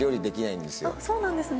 そうなんですね。